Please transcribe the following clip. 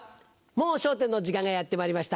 『もう笑点』の時間がやってまいりました。